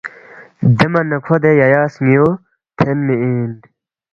دے من نہ کھو دے ییہ سن٘یُو تھینمی اِن